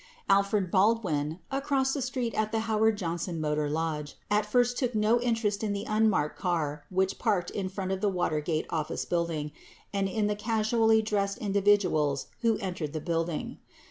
9 Alfred Baldwin, across the street at the Howard Johnson Motor Lodge, at first took no interest in the unmarked car which parked in front of the Watergate Office Building and in the casually dressed individuals who entered the building.